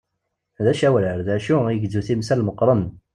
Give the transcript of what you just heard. D acawrar dacu igezzu timsal meqqren.